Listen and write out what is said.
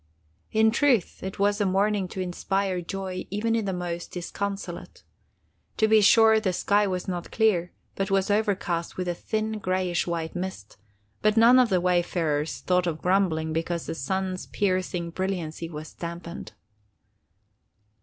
In truth, it was a morning to inspire joy even in the most disconsolate. To be sure the sky was not clear, but was o'ercast with a thin grayish white mist, but none of the wayfarers thought of grumbling because the sun's piercing brilliancy was dampened.